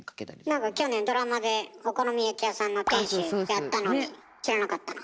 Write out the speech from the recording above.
何か去年ドラマでお好み焼き屋さんの店主やったのに知らなかったの？